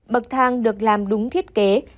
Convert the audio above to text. bậc thang được làm đúng thiết kế